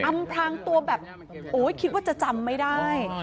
อำพลางตัวแบบโอ้ยคิดว่าจะจำไม่ได้